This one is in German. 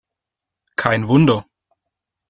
Kein Wunder!